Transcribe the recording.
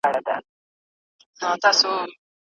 نوي فابريکي به زرګونو کسانو ته د کار زمينه برابره کړي.